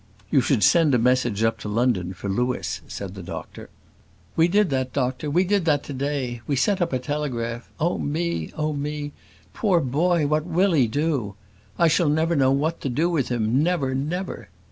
"You should send a message up to London for Louis," said the doctor. "We did that, doctor; we did that to day we sent up a telegraph. Oh me! oh me! poor boy, what will he do? I shall never know what to do with him, never! never!"